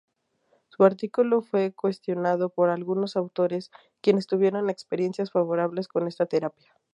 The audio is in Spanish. Su artículo fue cuestionado por algunos autores, quienes tuvieron experiencias favorables con esa terapia.